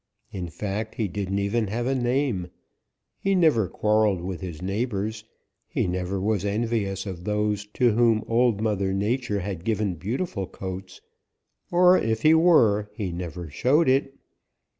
In fact, he didn't even have a name. He never quarreled with his neighbors. He never was envious of those to whom Old Mother Nature had given beautiful coats, or if he were, he never showed it.